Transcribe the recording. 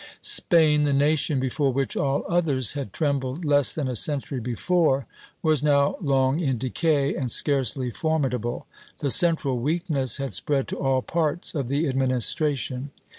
Spain, the nation before which all others had trembled less than a century before, was now long in decay and scarcely formidable; the central weakness had spread to all parts of the administration.